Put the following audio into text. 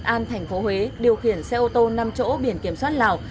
an thành phố huế điều khiển xe ô tô năm chỗ biển kiểm soát lào